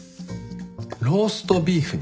ローストビーフに？